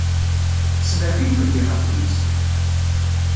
Ssebɛed agrud-nni ɣef tmes!